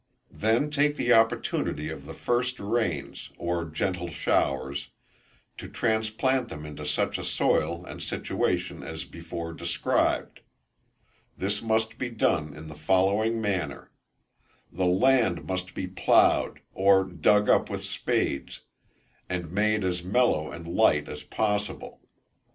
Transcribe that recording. Then take the opportunity of the first rains, or gentle showers, to transplant them into such a soil and situation as before described. This must be done in the following manner: The land must be plowed, or dug up with spades, and made as mellow and light as possible.